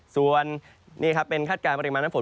ส่วนนี่ครับเป็นคาดการณปริมาณน้ำฝน